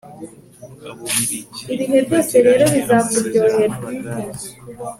abubiligi bagiranye amasezerano nabadage